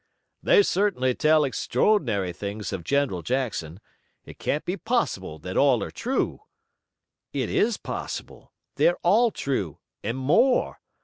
"They certainly tell extraordinary things of General Jackson. It can't be possible that all are true!" "It is possible. They're all true and more.